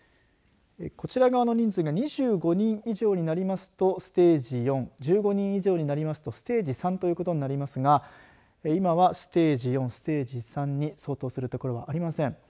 こちら側の人数が２５人以上になりますとステージ４１５人以上になりますとステージ３ということなりますが今はステージ４、ステージ３に相当するところはありません。